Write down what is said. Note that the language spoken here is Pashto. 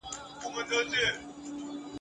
ماته مه راښیه لاري تر ساحل پوری د تللو !.